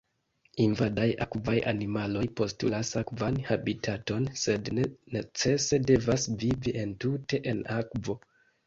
Invadaj akvaj animaloj postulas akvan habitaton, sed ne necese devas vivi entute en akvo.